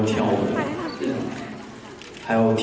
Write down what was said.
ผมอยากมาฝันธรรมดิน